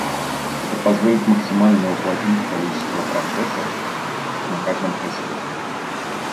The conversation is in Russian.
Это позволит максимально уплотнить количество процессов на каждом хосте